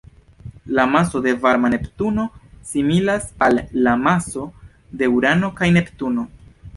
La maso de varma Neptuno similas al la maso de Urano kaj Neptuno.